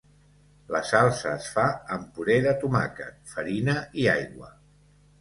La salsa es fa amb puré de tomàquet, farina i aigua.